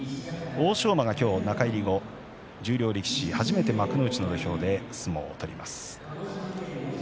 欧勝馬が今日中入り後十両力士、初めて幕内の土俵で相撲を取ります。